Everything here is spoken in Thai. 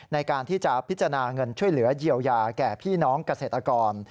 ในการที่จะพิจารณาเงินช่วยเหลือเยียวยาแก่พี่น้องเกษตรกร